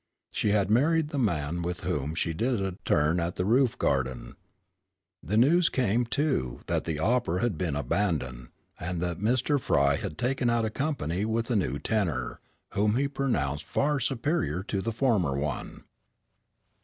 She had married the man with whom she did a turn at the roof garden. The news came, too, that the opera had been abanboned, and that Mr. Frye had taken out a company with a new tenor, whom he pronounced far superior to the former one.